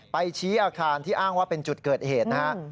ชี้อาคารที่อ้างว่าเป็นจุดเกิดเหตุนะฮะ